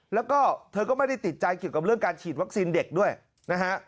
แล้วก็เธอก็ไม่ได้ติดใจเกี่ยวกับเรื่องการฉีดวัคซีนเด็กด้วยนะฮะ